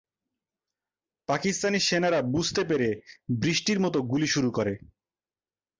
পাকিস্তানি সেনারা বুঝতে পেরে বৃষ্টির মতো গুলি শুরু করে।